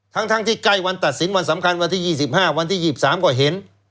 ทั้งที่ใกล้วันตัดสินวันสำคัญวันที่๒๕วันที่๒๓ก็เห็น